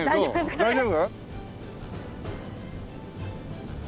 大丈夫？